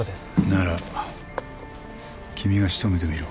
なら君が仕留めてみろ。